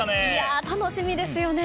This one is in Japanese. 楽しみですよね。